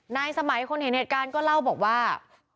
สมัยคนเห็นเหตุการณ์ก็เล่าบอกว่า